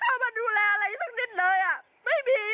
อยู่กันไม่ได้อยู่แล้วอะเนี่ยมันเป็นด่างรามที่มันพังเนี่ย